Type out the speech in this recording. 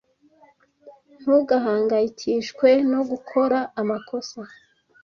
Ntugahangayikishwe no gukora amakosa.